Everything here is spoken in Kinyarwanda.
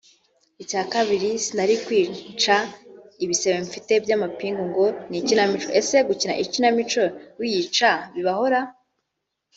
icya kabiri sinari kwica ibisebe mfite by’amapingo ngo n’ikinamico ese gukina ikinamico wiyica bibaho ra